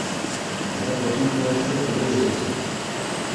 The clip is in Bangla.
এবার প্রথম কুয়াশা তো চলেই এসেছে।